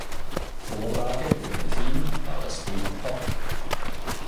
Vorlage für den Film war das Buch "Pop.